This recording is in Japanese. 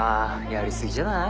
やり過ぎじゃない？